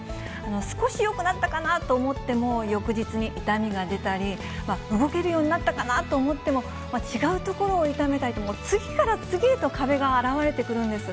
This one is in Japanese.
少しよくなったかなと思っても、翌日に痛みが出たり、動けるようになったかなと思っても、違う所を痛めたりと、次から次へと壁が現れてくるんです。